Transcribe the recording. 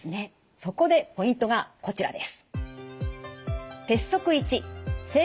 そこでポイントがこちらです。